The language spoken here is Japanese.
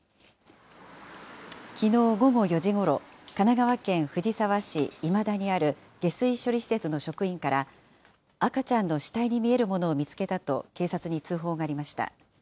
きのう午後４時ごろ、神奈川県藤沢市今田にある下水処理施設の職員から、赤ちゃんの死体に見えるものを見つけたと、警察に通報がありました。